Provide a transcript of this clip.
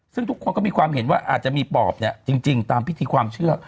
ซึ่งทุกคนก็มีความเห็นว่าอาจจะมีปอบเนี่ยจริงตามพิธีความเชื่อ